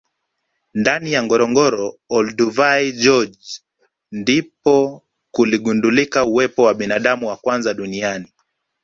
ndani ya ngorongoro Olduvai george ndipo kuligundulika uwepo wa binadamu wa kwanza duniani